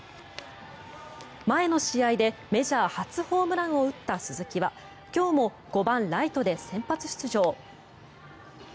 前の試合でメジャー初ホームランを打った鈴木は今日も５番ライトで先発出場。